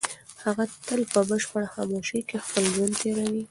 هغه تل په بشپړه خاموشۍ کې خپل ژوند تېروي.